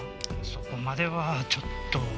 そこまではちょっと。